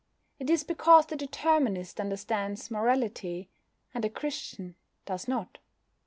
It is because the Determinist understands morality, and the Christian does not.